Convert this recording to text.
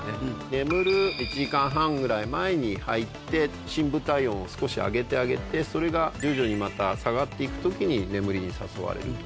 眠る１時間半ぐらい前に入って深部体温を少し上げてあげてそれが徐々にまた下がっていく時に眠りに誘われる。